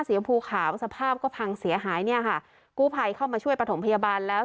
ภูขาวสภาพก็พังเสียหายเนี่ยค่ะกู้ภัยเข้ามาช่วยประถมพยาบาลแล้ว